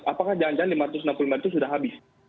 apakah jangan jangan lima ratus enam puluh lima itu sudah habis